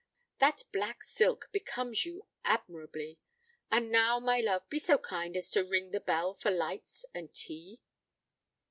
That black silk becomes you admirably. And now, my love, be so kind as to ring the bell for lights and tea."